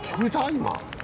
今。